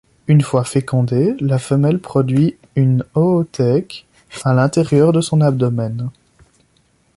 Une fois fécondée, la femelle produit une oothèque à l'intérieur de son abdomen.